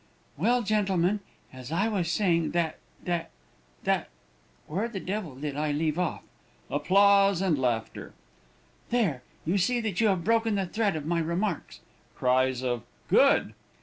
Well, gentlemen, as I was saying that that that where the devil did I leave off? (Applause and laughter.) There, you see that you have broken the thread of my remarks. (Cries of "Good!")